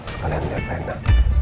sekalian lihat nanda